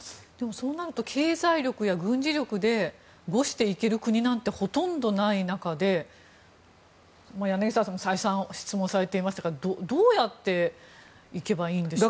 そうなると経済力や軍事力でのしていける国なんてほとんどない中で柳澤さんに再三指摘されていましたがどうやっていけばいいんでしょうか？